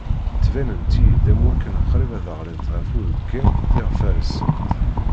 Ttbanent-iyi-d am wakken qrib ad d-ɣlint ɣef udekkan iɣef rsent.